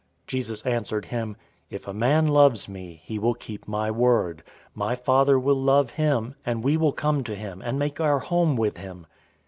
014:023 Jesus answered him, "If a man loves me, he will keep my word. My Father will love him, and we will come to him, and make our home with him.